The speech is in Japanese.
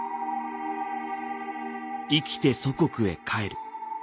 「生きて祖国へ帰る」。